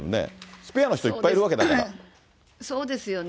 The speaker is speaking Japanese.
スペアの人いっぱいいるわけだかそうですよね。